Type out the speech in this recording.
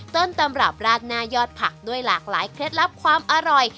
ต้นตำรับราดหน้ายอดผักด้วยหลากหลายเคล็ดลับความอร่อย